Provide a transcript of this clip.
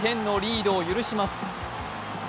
２点のリードを許します。